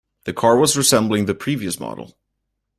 The car was resembling the previous model.